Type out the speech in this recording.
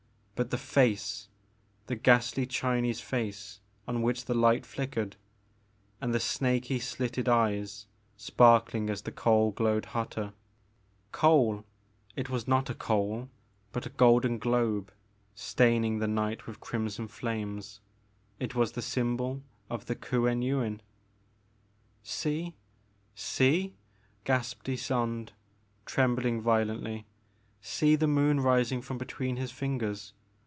But the face !— the ghastly Chinese face on which the light flickered, — and the snaky slitted eyes, sparkling as the coal glowed hotter. Coal ! It was not a coal but a golden globe staining the night with crimson flames, — ^it was the symbol of the Kuen Yuin. See ! See !gasped Ysonde, trembling vio lently, '* see the moon rising from between his fingers